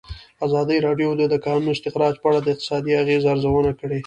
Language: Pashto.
ازادي راډیو د د کانونو استخراج په اړه د اقتصادي اغېزو ارزونه کړې.